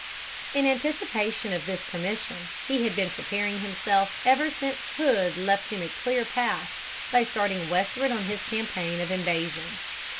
In anticipation of this permission, he had been preparing himself ever since Hood left him a clear path by starting westward on his campaign of invasion.